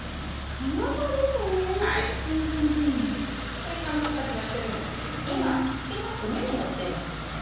スイカの形はしてるんですけども今土の上にのっていますよね？